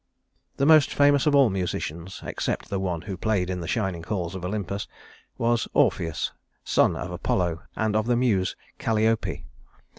The most famous of all musicians, except the one who played in the shining halls of Olympus, was Orpheus, son of Apollo and of the muse Calliope.